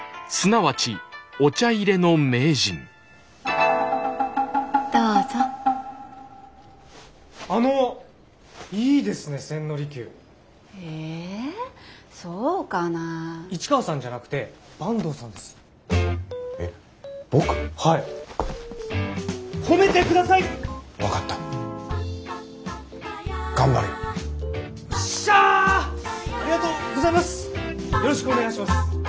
よろしくお願いします。